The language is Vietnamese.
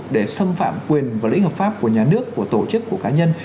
để xâm phạm quyền và lĩnh hợp pháp của nhà nước của tổ chức của cá nhân